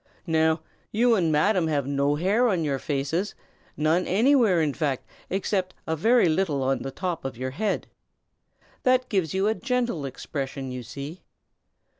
Now, you and Madam have no hair on your faces, none anywhere, in fact, except a very little on the top of your head. That gives you a gentle expression, you see.